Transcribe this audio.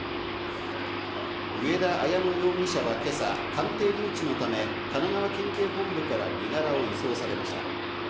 上田綾乃容疑者は今朝、鑑定留置のため神奈川県警本部から身柄を移送されました。